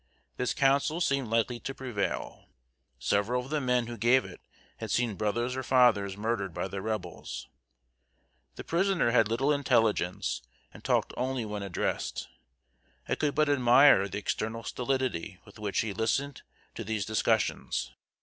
This counsel seemed likely to prevail. Several of the men who gave it had seen brothers or fathers murdered by the Rebels. The prisoner had little intelligence, and talked only when addressed. I could but admire the external stolidity with which he listened to these discussions.